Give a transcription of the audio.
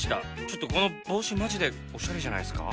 ちょっとこの帽子マジでオシャレじゃないですか？